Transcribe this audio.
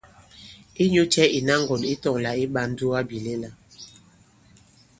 Inyu cɛ ìna ŋgɔ̀n ǐ tɔ̄ŋ lā ǐ ɓā ǹdugabìlɛla ?